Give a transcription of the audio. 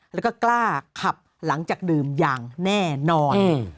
แล้วก็กล้าขับหลังจากดื่มอย่างแน่นอน